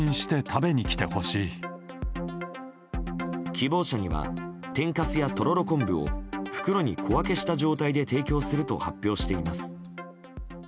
希望者には天かすや、とろろ昆布を袋に小分けした状態で提供すると発表しています。